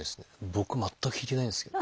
僕全く引いてないんですけど。